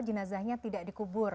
jinazahnya tidak dikubur